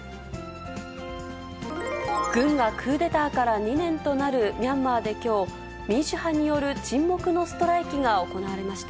軍がクーデターから２年となるミャンマーできょう、民主派による沈黙のストライキが行われました。